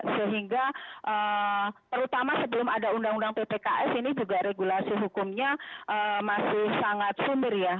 sehingga terutama sebelum ada undang undang ppks ini juga regulasi hukumnya masih sangat sumber ya